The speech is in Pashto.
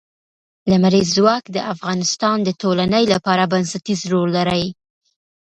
لمریز ځواک د افغانستان د ټولنې لپاره بنسټيز رول لري.